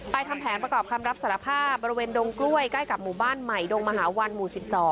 ทำแผนประกอบคำรับสารภาพบริเวณดงกล้วยใกล้กับหมู่บ้านใหม่ดงมหาวันหมู่๑๒